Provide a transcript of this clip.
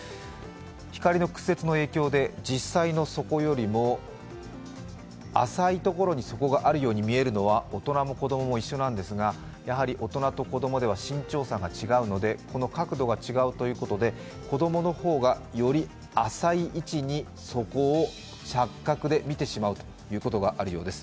光の屈折の影響で実際の底よりも、浅いところに底があるように見えるのは大人も子供も一緒なんですが大人と子供では身長差が違うのでこの角度が違うということで子供の方がより浅い位置に底を、錯覚で見てしまうことがあるようです。